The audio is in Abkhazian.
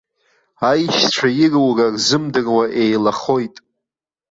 Аишьцәа ирура рзымдыруа еилахоит.